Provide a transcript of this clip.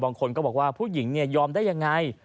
บางคนก็บอกว่าผู้หญิงเนี่ยยอมได้ยังไง